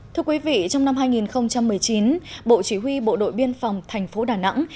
thưa quý vị trong năm hai nghìn một mươi chín bộ chỉ huy bộ đội biên phòng thành phố đà nẵng